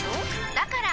だから！